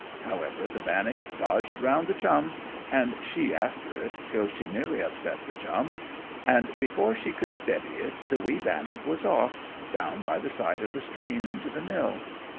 However the bannock dodged round the churn, and she after it, till she nearly upset the churn, and before she could steady it the wee bannock was off, down by the side of the stream into the mill.